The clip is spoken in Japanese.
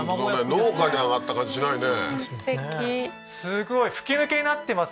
農家にあがった感じしないね。